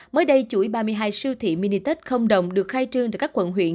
mới đây chuỗi ba mươi hai siêu thị mini tết không đồng được khai trương từ các quận huyện